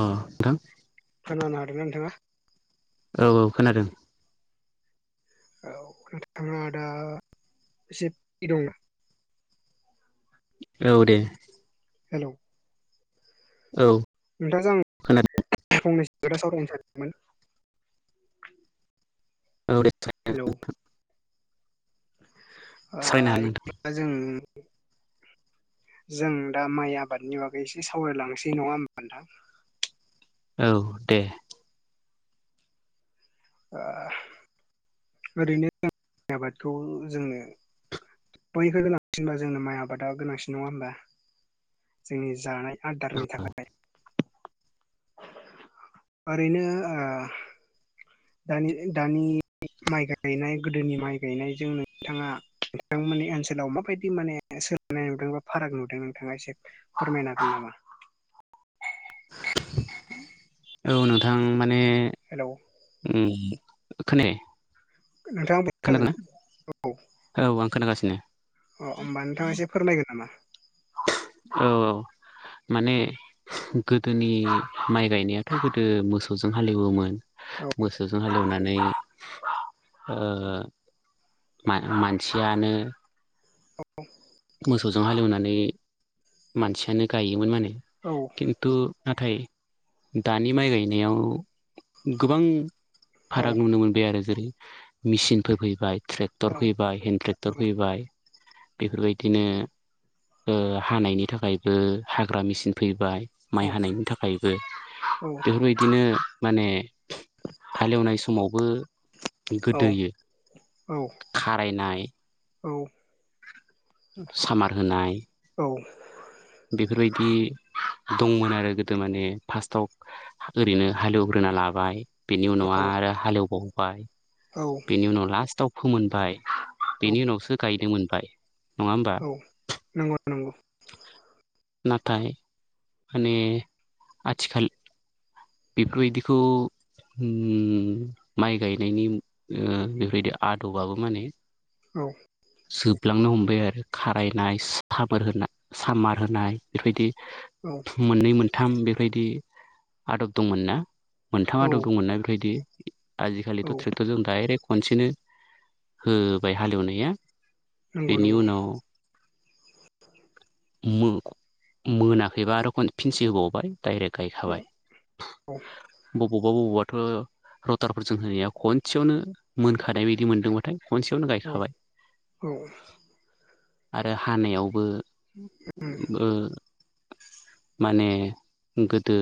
ओम नोंथां। खोनानो हादोंना नोंथांङा। औ औ खोनादों। औ नोंथाङा दा एसे फ्रि दंना? औ दे। हेलौ। औ। नोंथांङाजो खोनादों आं फंनैसो खोथा सावरायनो सानदोंमोन। औ दे। हेलौ। सावरायनो हागोन नोंथां [unintelligible] जों दा माइ आबादनि बागै एसे सावरायलांनोसै नंङा होनबा नोथां। औ दे। ओरैनो जों आबादखौ जोंनो [unintelligible] [unintelligible] गोनांसिनबा जोंनो माइ आबादा गोनांसिन नंङा होमबा जोंनि जानाय ओ आदारनि थाखाय ओरैनो ओ दानि माइ गायनाय गोदोनि माइ गायनायजों नोंथांङा ओ नोंथांमोननि ओनसोलाव माबायदि माने सोलोंनाय नुदों बा फाराग नुदों नोंथाङा एसे फोरमायनो हागोन नामा? ओ औ नोंथां माने हेलौ। ओम खोनायाखै नोंथां। खोनादोंना औ आं खोनागासिनो अ होमबा नोंथांङा एसे फोरमायगोन नामा औ औ माने गोदोनि माइ गायनायाथ' गोदो मोसौजों हालेवोमोन औ [unintelligible] जों हालेवनानै मानसियानो औ मोसौजों हालेवनानै मानसियानो गायोमोन माने औ थ' नाथाय दानि माइ गायनायाव गोबां औ फाराग नुनो मोनबाय आरो जेरै मेचिनफोर फैबाय औ ट्रेक्टर फैबाय हेन्द ट्रेक्टर फैबाय बेफोरबायदि बिदिनो हानायनि थाखायबो हाग्रा मेचिन फैबाय माइ औ हानायनि थाखायबो बेफोरबायदि बिदिनो माने हालेवनाय समावबो औ गोदोयो औ खारायनाय औ सामार होनाय औ बेफोरबायदि दंमोन आरो गोदो माने फार्स्टआव ओरैनो हालेवग्रोना लाबाय बेनि उनाव आरो हालेवबावबाय औ बेनि उनाव लास्टाव फोमोनबाय बेनि उनावसो गायनो मोनबाय नङा होमबा औ नंगौ नंगौ नाथाय माने आथिखाल बेफोरबायदिखौ माइ गायनायनि बेफोरबायदि आदबाबो माने औ जोबलांनो हमबाय आरो खारायनाय साबोर होनाय सामार होनाय बेफोरबायदि औ मोननै मोनथाम बेबायदि आदब दंमोन ना मोनथाम औ आदब दंमोनना बेफोरबायदि औ आजिखालिथ' ट्रेक्टरजों डाइरेक्ट खनसेनो होबाय हालेवनाया नंगौ बेनि नंगौ उनाव मो मोनाखैबा आरो खन फिनसे होबावबाय डाइरेक्ट औ गायखाबाय बबावबा बबावबाथ' रटारफोरजों होनाया खनसेयावनो मोनखानाय बादि मोनदों बाथाय खनसेयावनो औ गायखाबाय उम आरो हानायावबो ओ माने गोदो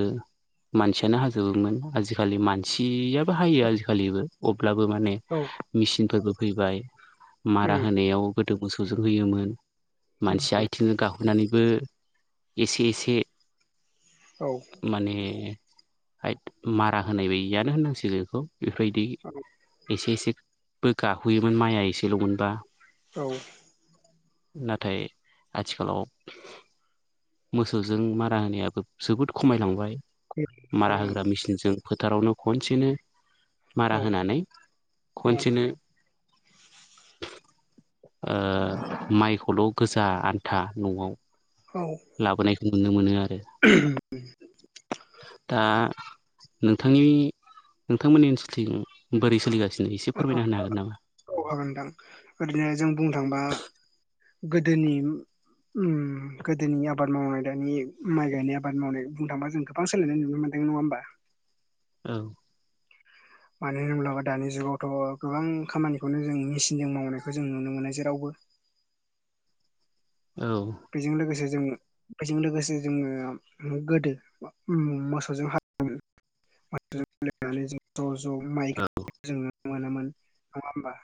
मानसियानो हाजोबोमोन आजिखालि मानसियाबो हायो आजिखालिबो अब्लाबो माने औ मिेसिनफोरबो फैबाय मारा उम होनायाव गोदो मोसौजों होयोमोन मानसि आइ थिं गाहोनानैबो एसे एसे औ माने हाइथ मारा होनाय बायदियानो होननांसिगौ बेखौ बेफोरबायदि एसे एसेबो गाहोयोमोन माइआ एसेल' मोनबा औ नाथाय आथिखालाव मोसौजों मारा होनायाबो जोबोद खमायलांबाय मारा खमायनांगौ होग्रा मेसििनजों फोथारावनो खनसेनो औ मारा होनानै औ खनसेनो माइखौल' गोजा आन्था न'आव औ लाबोनायखौ नुनो मोनो आरो। [inaudible] दा नोंथांनि नोंथांमोननि ओनसोलथिं बोरै सोलिगासिनो? एसे फोरमाय होनो हागोन नामा? औ हागोनदां ओरैनो जों बुंनो थांबा गोदोनि गोदोनि आबाद मावनाय दानि माइ गायनाय आबाद मावनाय बुंनो थांबा जों बिबां सोलायनायुनो मोनदों नङा होनबा? औ मानो होनोब्लाबो दानि जुगावथ' गोबां खामानिखौनो जों मेचिनजों मावनायखौ जों नुनो मोनो जेरावबो। औ बेजों लोगोसे जों बेजों लोगोसे जोङो गोदो मोसौजों हालो मायनानै जों ज' ज' माइ गाय जोङो मोनामोन नङा होमबा?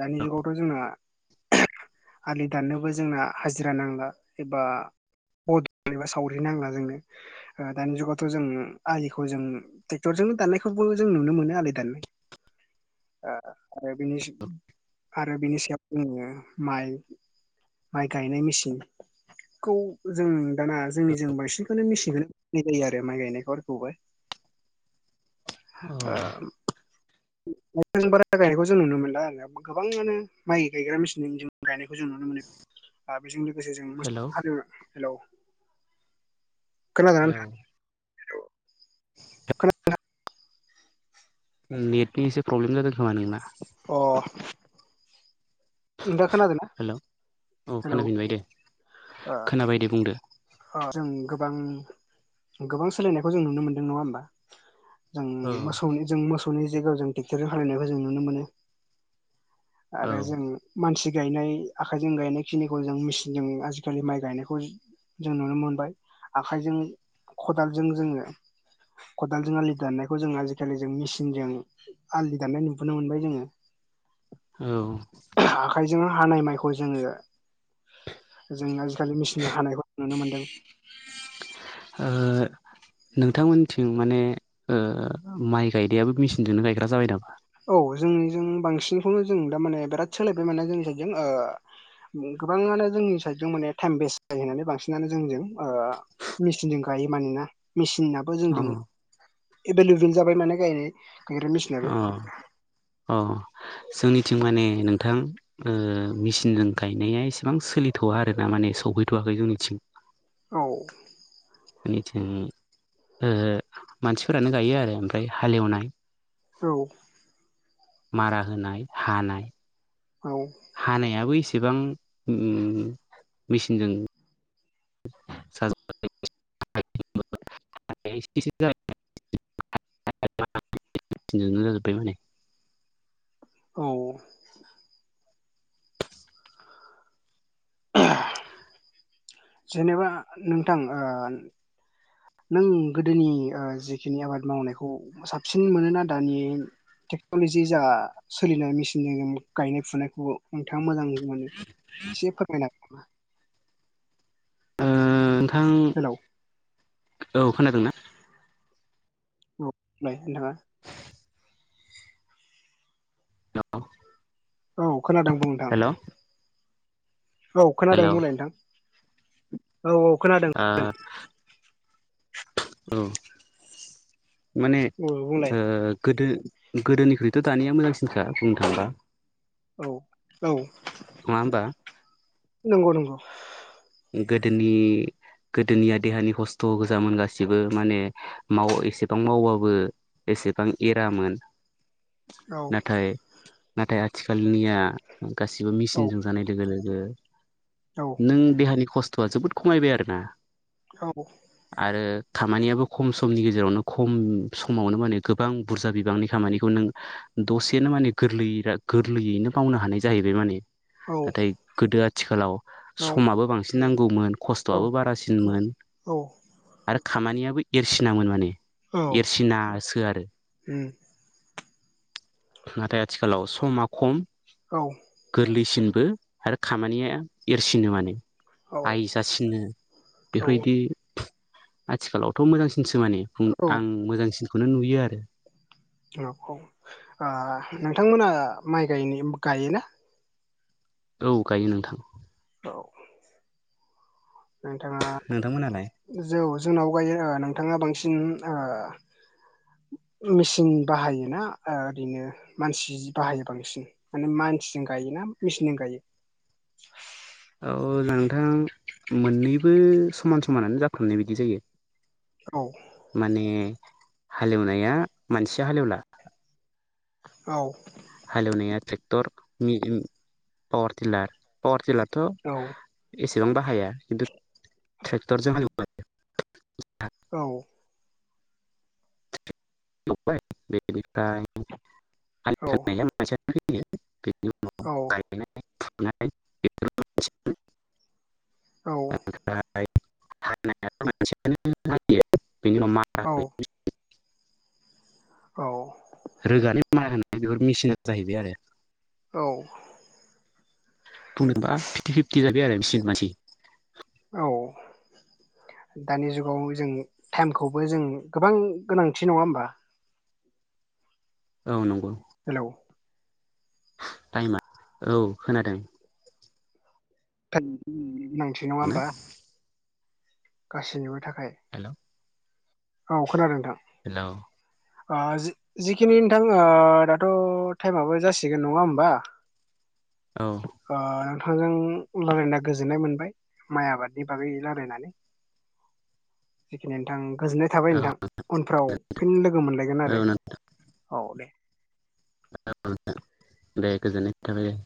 दानि जुगावथ' जोंना आलि दाननोबो जोंना हाजिरा नांला एबा बदल एबा सावरि नांला जोंनो ओ दानि जुगावथ' जों आलिखौ जों ट्रेक्टरजोंनो दाननायखौबो जों नुनो मोनो आलाय दाननाय आरो बेनि आरो बेनि सायाव जोङो माइ माइ गायनाय मेसिन खौ जों दाना जोंनि जों बांसिनखौनो मिसिनखौनो जायो आरो माइ गायनाय हरखौहाइ। औ बारा गायनायखौ जों नुनो मोनला गोबाङानो माइ गायग्रा मेसिनजों गायनायखौ जों नुनो मोनो आरो बेजों लोगोसे जों हेलौ मोसौ हाल हेलौ खोनादों ना हेलौ नोंथां? खोना [inaudible] नेटनि एसे प्रब्लेम जादों खोमा नोंना? अ नथा खोनादों ना हेलौ हेलौ जाबाय दे बुंदो। जों गोबां गोबां सोलायनायखौ जों नुनो मोनदों नङा होनबा? जों औ मोसौनि जों मोसौनि जायगायाव जों ट्रेक्ट'र हालेवनायखौ जों नुनो मोनो। औ आरो जों मानसि गायनाय आखाइजों गायनाय खिनिखौ जों मेचिनजों आजिखालि माइ गायनायखौ जों नुनो मोनबाय आखायजों खदालजों जोङो खदालजों आलि दाननायखौ जों आजिखालि जों मेसिनजों आलि दाननाय नुबोनो मोनबाय जोङो औ आखायजों हानाय माइखौ जोङो जों आजिखालि मेचिन हानायखौ नुनो मोनदों। ओ नोंथांमोनथिं माने ओ माइ गायनायाबो मेसिनजोंनो गायग्रा जाबाय नामा? औ जोंनिजों बांसिनखौनो जों दामाने बिराद सोलायबाय माने जोंनि साइड जों ओ गोबाङानो जोंनि साइदजों माने टाइम बेस्ट जायो होननानै बांसिनानो जोंजों ओ मेचिनजों गायो माने ना मेसिन अ जोंजों एभेलेबेल जाबाय माने गायनाय गायग्रा मेसिनाबो अ अ जोंनिथिं माने नोंथां उम मेसिनजों गायनाया एसेबां सोलिथ'वा आरोना माने सौहैथ'वाखै जोंनिथिं। औ जोंनिथिं ओ मानसिफोरानो गायो आरो ओमफ्राय हालेवनाय औ मारा होनाय हानाय औ हानायाबो एसेबां मेसिनजों [unintelligible] [unintelligible] [unintelligible] मेसिन जोंनो जाजोबबाय माने औ [unintelligible] जेनेबा नोंथां ओ नों गोदोनि जिखिनि आबाद मावनायखौ साबसिन मोनोना दानि टेक्न'लजि जा सोलिनाय मेसिनजों जों गायनाय फुनायखौ नोंथाङा मोजां मोनो एसे फोरमायना होदो आं हेलौ औ खोनादों ना औ नोंलाय नोंथाङा औ औ खोनादों बुं नोंथां हेल' औ खोनादों हेल' ओ बुंलाय नोंथां औ औ खोनादों ओ औ माने औ बुंलाय ओ गोदो गोदोनिख्रुइथ' दानिया मोजांसिनखा बुंनो थाङोबा औ औ नङा होनबा नंगौ नंगौ गोदोनि गोदोनिया देहानि खस्थ' गोजामोन गासिबो माने माव एसेबां मावबाबो एसेबां एरामोन औ नाथाय नाथाय आथिखालनिया गासिबो औ मेसिनजों जानाय लोगो लोगो औ नों देहानि खस्थ'आ जोबोद खमायबाय आरोना औ आरो खामानियाबो खम समनि गेजेरावनो खम समावनो माने गोबां बुरजा बिबांनि खामानिखौ नों दसेनो माने गोरलैयै गोरलैयैनो मावनो हानाय जाहैबाय माने औ नाथाय गोदो आथिखालाव समाबो बांसिन नांगौमोन खस्थ'आबो बारासिनमोन औ आरो खामानियाबो एरसिनामोन माने औ एरसिनासो आरो उम नाथाय आथिखालाव समा खम औ गोरलैसिनबो आरो खामानिया एरसिनो माने औ आइ जासिनो औ बेफोरबायदि आथिखालावथ' मोजांसिनसो माने आं मोजांसिनखौनो नुयो आरो औ औ ओ नोंथांमोना माइ गाय गायोना औ गायो नोंथां औ नोंथाङा नोंथांमोनालाय जौ जोंनाव गायो ओ नोंथाङा बांसिन ओ मेचिन बाहायोना ओ ओरैनो मानसि बाहायो बांसिन माने मानसिजों गायो ना मेसिनजों गायो औ नोंथां मोननैबो समान समानानो जाफ्रामनाय बायदि जायो औ माने हालेवनाया मानसिया हालेवला औ हालेवनाया ट्रेक्टर पावार टिलार पावार टिलारथ' औ एसेबां बाहाया खिन्थु ट्रेक्टर जों [unintelligible] औ औ [unintelligible] औ गायनाय फुनाय बेफोर ओमफ्राय औ [unintelligible] [unintelligible] औ रोगानो मारा होनाय बेफोर मेसिना जाहैबाय आरो औ बुंदोंबा फिफ्टि फिफ्टि जाबाय आरो मिसिन मानसि औ दानि जुगाव जों टाइमखौबो जों गोबां गोनांथि नङा होमबा औ नंगौ हेलौ टाइमा औ खोनादों [unintelligible] नङा ना होनबा गासैनिबो थाखाय हेलौ औ खोनादों नोंथां हेलौ ओ जि जिखिनि नोंथां दाथ' टायेमाबो जासिगोन नङा होमबा [inaudible] औ ओ नोंथांजों रायलायना गोजोननाय मोनबाय माइ आबादनि बागै रायलायनानै जिखिनि नोंथां गोजोननाय थाबाय औ नोंथां उनफ्राव फिन लोगो मोनलायगोन आरो नोंथां औ दे दे गोजोननाय थाबाय दे